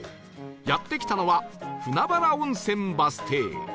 やって来たのは船原温泉バス停